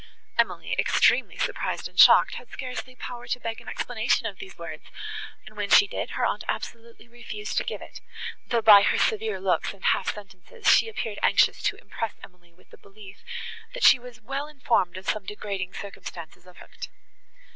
Emily, extremely surprised and shocked, had scarcely power to beg an explanation of these words, and, when she did, her aunt absolutely refused to give it, though, by her severe looks, and half sentences, she appeared anxious to impress Emily with a belief, that she was well informed of some degrading circumstances of her conduct.